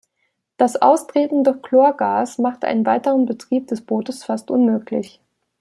Das austretende Chlorgas machte einen weiteren Betrieb des Bootes fast unmöglich.